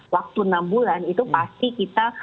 waktu enam bulan itu pasti kita